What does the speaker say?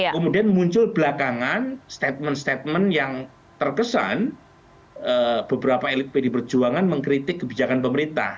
kemudian muncul belakangan statement statement yang terkesan beberapa elit pd perjuangan mengkritik kebijakan pemerintah